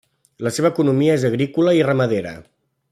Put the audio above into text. La seva economia és agrícola i ramadera.